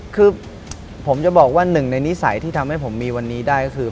คือผมจะบอกว่าหนึ่งในนิสัยที่ทำให้ผมมีวันนี้ได้ก็คือ